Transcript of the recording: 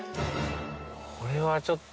これはちょっと。